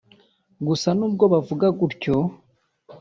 Gusa nubwo bavuga gutyo